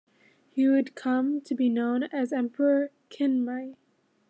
He would come to be known as Emperor Kinmei.